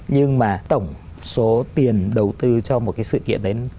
nhưng mà tổng số tiền đầu tư cho một cái sự kiện đấy